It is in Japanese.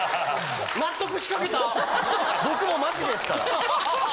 納得しかけた僕もマジですから。